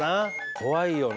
怖いよね。